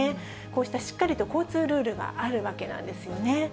こうしたしっかりと交通ルールがあるわけなんですよね。